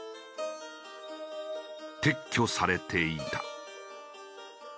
撤去されていた。